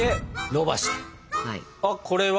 あっこれは？